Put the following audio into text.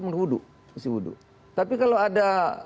menuduh tapi kalau ada